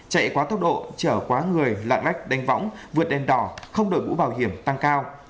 chạy quá tốc độ chở quá người lạng lách đánh võng vượt đèn đỏ không đổi mũ bảo hiểm tăng cao